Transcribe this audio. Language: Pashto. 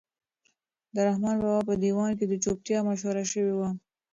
د رحمان بابا په دیوان کې د چوپتیا مشوره شوې وه.